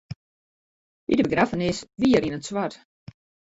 By de begraffenis wie er yn it swart.